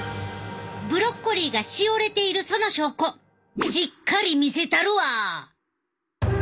ブロッコリーがしおれているその証拠しっかり見せたるわ！